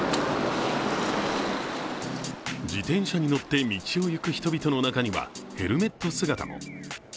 自転車に乗って道を行く人々の中にはヘルメット姿も。